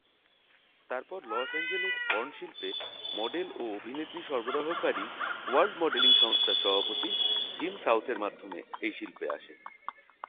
তারপর Los Angeles porn শিল্পে model ও অভিনেত্রী সরবরাহকারী "ওয়ার্ল্ড মডেলিং" সংস্থার সভাপতি জিম সাউথের মাধ্যমে এই শিল্পে আসেন।